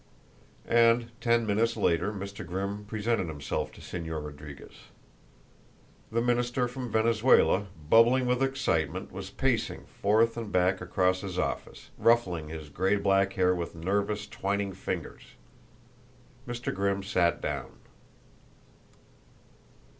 And ten minutes later Mr. Grimm presented himself to Señor Rodriguez. The minister from Venezuela, bubbling with excitement, was pacing forth and back across his office, ruffling his gray black hair with nervous, twining fingers. Mr. Grimm sat down.